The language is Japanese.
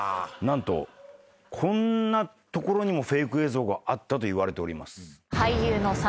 何とこんなところにもフェイク映像があったといわれております。